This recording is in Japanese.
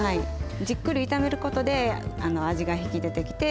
じっくり炒めることであの味が引き出てきて。